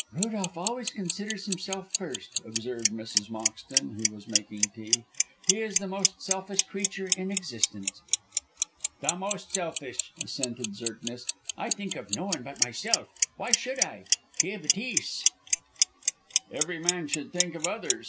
"Rudolph always considers himself first," observed Mrs. Moxton, who was making tea. "He is the most selfish creature in existence." "The most selfish!" assented Zirknitz. "I think of no one by myself. Why should I? Quelle bêtise." "Every man should think of others!"